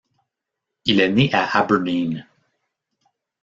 Il est né à Aberdeen.